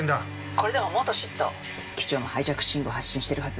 「これでも元ＳＩＴ」機長もハイジャック信号を発信してるはず。